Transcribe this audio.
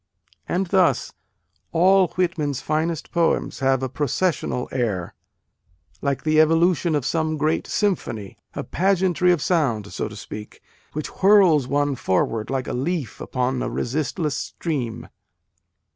And thus, all Whitman s finest poems have a processional air, like the evolution of some A DAY WITH WALT WHITMAN. great symphony a pageantry of sound, so to speak, which whirls one forward like a leaf upon a resistless stream.